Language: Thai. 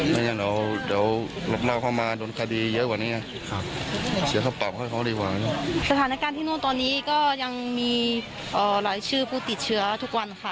แล้วเดี๋ยวรับราวเข้ามาโดนคดีเยอะกว่านี้เนี่ย